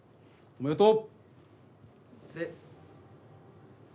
おめでとう！